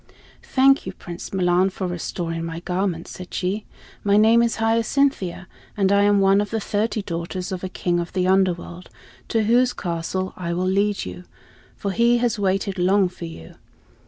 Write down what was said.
"Thank you, Prince Milan, for restoring my garment," said she. "My name is Hyacinthia, and I am one of the thirty daughters of a King of the Underworld, to whose castle I will lead you, for he has waited long for you.